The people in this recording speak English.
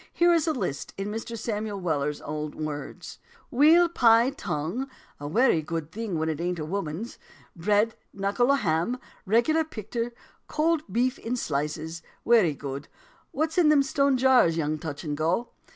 Here is the list, in Mr. Samuel Weller's own words: "Weal pie, tongue: a wery good thing when it ain't a woman's: bread, knuckle o' ham, reg'lar picter, cold beef in slices; wery good. What's in them stone jars, young touch and go?"